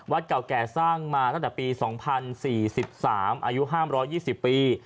เก่าแก่สร้างมาตั้งแต่ปี๒๐๔๓อายุ๕๒๐ปี